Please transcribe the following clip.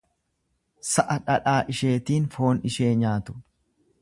Sa'a dhadhaa isheetiin foon ishee nyaatu.